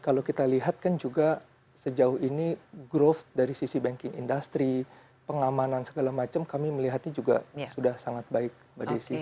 kalau kita lihat kan juga sejauh ini growth dari sisi banking industry pengamanan segala macam kami melihatnya juga sudah sangat baik mbak desi